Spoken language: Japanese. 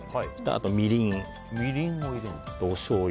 あと、みりん、おしょうゆ